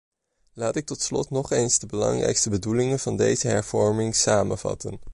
Laat ik tot slot nog eens de belangrijkste bedoelingen van deze hervorming samenvatten.